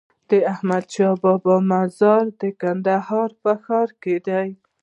د احمدشاهبابا مزار د کندهار په ښار کی دی